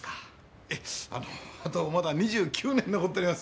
ええあのあとまだ２９年残っております。